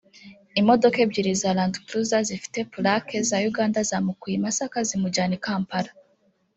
Imodoka ebyiri za Land Cruiser zifite pulake za Uganda zamukuye i Masaka zimujyana i Kampala